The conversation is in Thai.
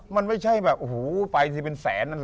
มันไม่ใช่แบบโฮไปดีกว่าเป็นแสนนั้น